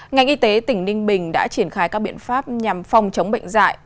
ngành y tế tỉnh ninh bình đã triển khai các biện pháp nhằm phòng chống bệnh dạy